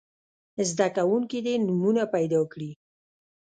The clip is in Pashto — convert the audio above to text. زده کوونکي دې نومونه پیداکړي.